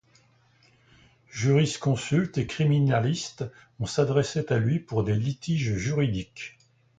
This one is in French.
Jurisconsulte et criminaliste, on s'adressait à lui pour des litiges juridiques.